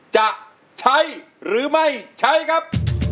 จะใช้หรือไม่ใช้ครับ